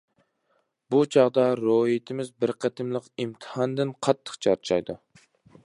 بۇ چاغدا روھىيىتىمىز بىر قېتىملىق ئىمتىھاندىن قاتتىق چارچايدۇ.